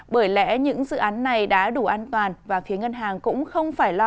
bởi lẽ những dự án này đã đủ an toàn và phía ngân hàng cũng không phải lo